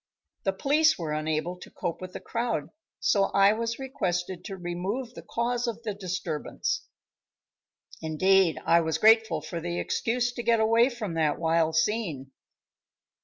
The police were unable to cope with the crowd, so I was requested to remove the cause of the disturbance. Indeed I was grateful for the excuse to get away from that wild scene.